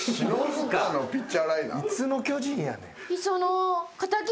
いつの巨人やねん。